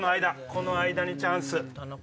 この間にチャンス。